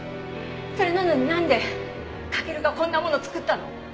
それなのになんで翔がこんなもの作ったの？